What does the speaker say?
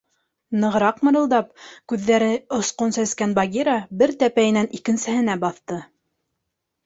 — Нығыраҡ мырылдап, күҙҙәре осҡон сәскән Багира бер тәпәйенән икенсеһе-нә баҫты.